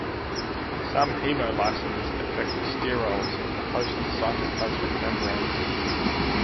Some hemolysins affects the sterols of the host cytoplasmic membrane.